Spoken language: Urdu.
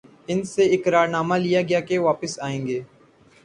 ان سے اقرار نامہ لیا گیا کہ وہ واپس آئیں گے۔